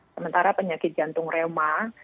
sementara penyakit jantung reuma